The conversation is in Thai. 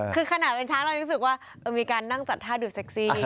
คือขนาดเป็นช้างเรายังรู้สึกว่าเรามีการนั่งจัดท่าดูเซ็กซี่